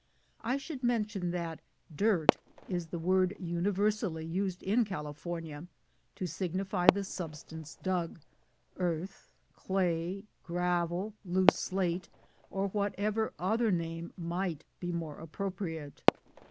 I should mention that "dirt" is the word univer sally used in California to signify the substance dug, earth, clay, gravel, loose slate, or whatever other name might be more appropriate.